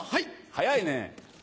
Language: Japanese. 早いね。